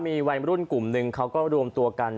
มีวัยรุ่นกลุ่มหนึ่งเขาก็รวมตัวกัน